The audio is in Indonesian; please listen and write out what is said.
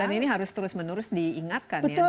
dan ini harus terus menurus diingatkan ya